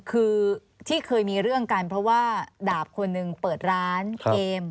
คือที่เคยมีเรื่องกันเพราะว่าดาบคนหนึ่งเปิดร้านเกม